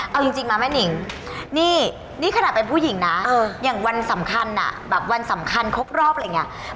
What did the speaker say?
เอาจริงมาแม่นิงนี่นี่ขนาดเป็นผู้หญิงนะอย่างวันสำคัญอ่ะแบบวันสำคัญครบรอบอะไรอย่างนี้